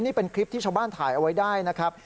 นี่เป็นคลิปที่ชาวบ้านถ่ายเอาไว้ได้นะครับ